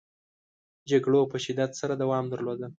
جګړو په شدت سره دوام درلوده.